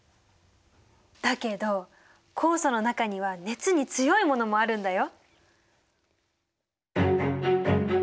だけど酵素の中には熱に強いものもあるんだよ。